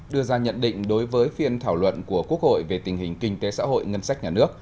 đưa ra nhận định đối với phiên thảo luận của quốc hội về tình hình kinh tế xã hội ngân sách nhà nước